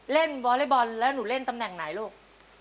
วอเล็กบอลแล้วหนูเล่นตำแหน่งไหนลูก